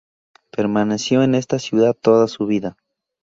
Permaneció en esta ciudad toda su vida.